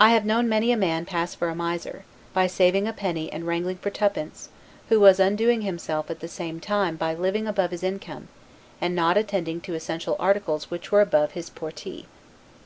I have known many a man pass for a miser, by saving a penny and wrangling for twopence, who was undoing himself at the same time by living above his income, and not attending to essential articles which were above his 'portee'.